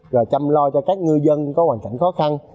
rồi chăm lo cho các ngư dân có hoàn cảnh khó khăn